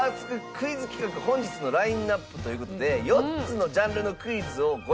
クイズ企画本日のラインアップという事で４つのジャンルのクイズをご用意してます。